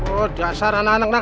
udah sarana anak anak